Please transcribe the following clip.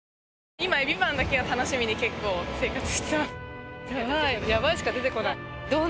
今「ＶＩＶＡＮＴ」だけを楽しみに結構生活してます